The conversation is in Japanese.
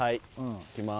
行きます。